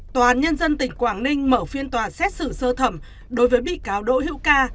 tòa án nhân dân tỉnh quảng ninh mở phiên tòa xét xử sơ thẩm đối với bị cáo đỗ hữu ca